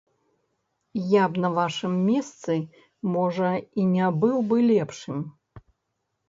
Я б на вашым месцы, можа, і не быў бы лепшым.